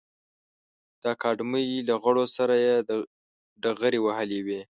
د اکاډمۍ له غړو سره یې ډغرې وهلې وې.